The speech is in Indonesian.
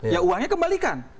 ya uangnya kembalikan